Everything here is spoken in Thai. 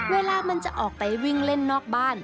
เวลามันจะออกไปวิ่งเล่นนอกบ้าน